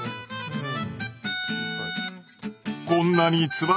うん。